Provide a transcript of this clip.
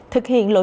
thực hiện lộn xếp